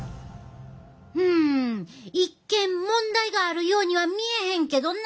うん一見問題があるようには見えへんけどな。